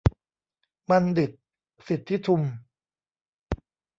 บัณฑิต สิทธิทุม